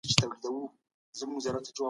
اسلام هر چا ته د آزادۍ حق ورکوي.